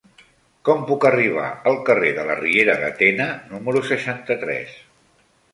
Com puc arribar al carrer de la Riera de Tena número seixanta-tres?